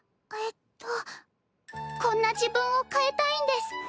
えっとこんな自分を変えたいんです。